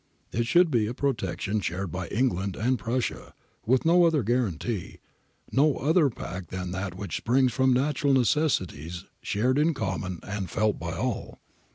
It should be a protection shared by England and Prussia, with no other guarantee, no other pact than that which springs from natural necessities shared in common and felt by all.